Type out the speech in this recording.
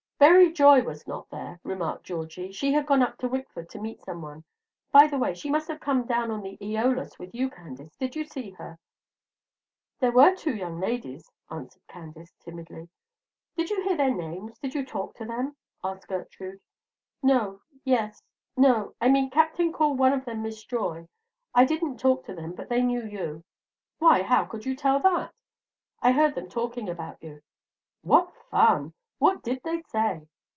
"Berry Joy was not there," remarked Georgie. "She had gone up to Wickford to meet some one. By the way, she must have come down on the 'Eolus' with you, Candace. Did you see her?" "There were two young ladies," answered Candace, timidly. "Did you hear their names? Did you talk to them?" asked Gertrude. "No yes no I mean the Captain called one of them Miss Joy. I didn't talk to them, but they knew you." "Why, how could you tell that?" "I heard them talking about you." "What fun! What did they say?"